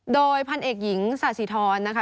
โดยพันธุ์เอกหญิงสาธิ์สีทรนะคะ